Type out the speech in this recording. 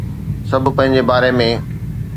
سڀ پنهنجي باري ۾